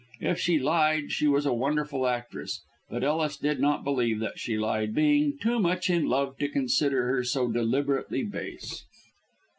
If she lied she was a wonderful actress, but Ellis did not believe that she lied, being too much in love to consider her so deliberately base.